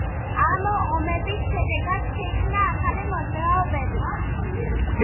ამ ომების შედეგად შეიქმნა ახალი მოძრაობები.